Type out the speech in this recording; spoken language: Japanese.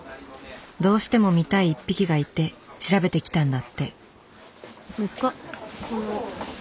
どうしても見たい一匹がいて調べて来たんだって。